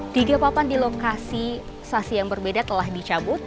tiga papan di lokasi saksi yang berbeda telah dicabut